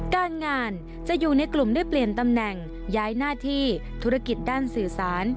การงานจะอยู่ในกลุ่มได้เปลี่ยนตำแหน่งย้ายหน้าที่ธุรกิจด้านสื่อสาร